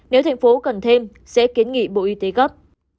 nếu thành phố cần thêm sẽ kiến nghị bộ y tế gấp